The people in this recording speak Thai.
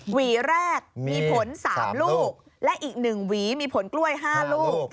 หวีแรกมีผล๓ลูกและอีก๑หวีมีผลกล้วย๕ลูก